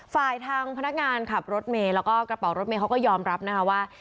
ทางพนักงานขับรถเมย์แล้วก็กระเป๋ารถเมย์เขาก็ยอมรับนะคะว่า